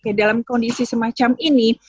jadi dalam kondisi semacam ini